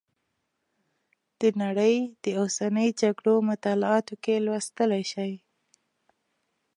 د نړۍ د اوسنیو جګړو مطالعاتو کې لوستلی شئ.